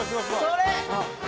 それ！